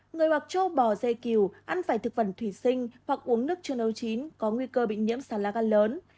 người hoặc trâu bò dê kiều ăn vài thực vật thủy sinh hoặc uống nước chưa nấu chín có nguy cơ bị nhiễm sán lá gan lớn